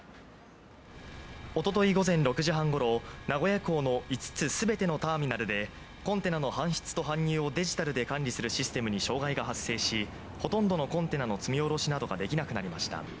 おととい午前６時半ごろ、名古屋港の５つ全てのターミナルでコンテナの搬出と搬入をデジタルで管理するシステムに障害が発生し、ほとんどのコンテナの積み降ろしなどができなくなりました。